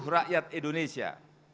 seluruh rakyat indonesia